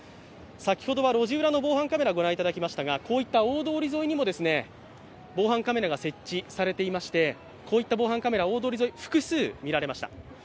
先ほどは路地裏の防犯カメラを御覧いただきましたがこういった大通り沿いにも防犯カメラが設置されていましてこういった防犯カメラは大通り沿い、複数見られました。